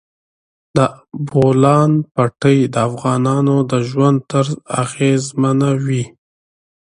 د بولان پټي د افغانانو د ژوند طرز اغېزمنوي.